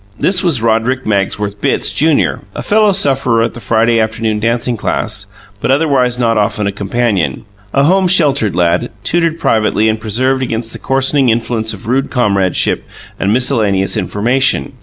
This was Roderick Magsworth Bitts, Junior, a fellow sufferer at the Friday Afternoon Dancing Class, but otherwise not often a companion: a home sheltered lad, tutored privately and preserved against the coarsening influences of rude comradeship and miscellaneous information.